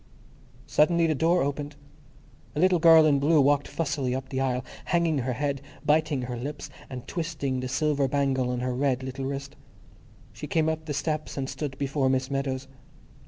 Suddenly the door opened. A little girl in blue walked fussily up the aisle, hanging her head, biting her lips, and twisting the silver bangle on her red little wrist. She came up the steps and stood before Miss Meadows.